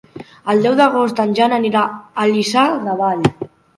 El deu d'agost en Jan anirà a Lliçà de Vall.